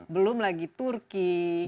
belum lagi turki